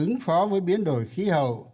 ứng phó với biến đổi khí hậu